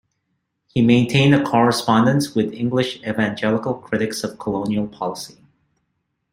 He maintained a correspondence with English evangelical critics of colonial policy.